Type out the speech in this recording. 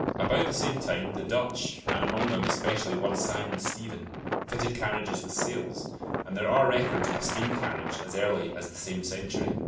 About the same time the Dutch, and among them especially one Simon Stevin, fitted carriages with sails, and there are records of a steam carriage as early as the same century.